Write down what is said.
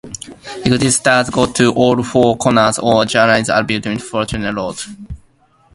Exit stairs go to all four corners of Jerome Avenue and Fordham Road.